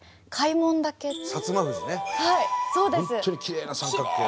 本当にきれいな三角形の。